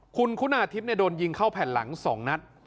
คุณคุณาทิพย์โดนยิงเข้าแผ่นหลัง๒นัด